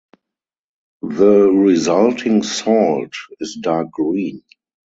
The resulting salt is dark green.